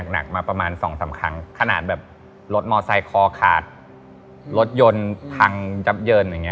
ติดกันประมาณ๑๐คันอย่างงี้